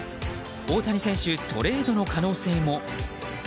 大谷選手、トレードの可能性も。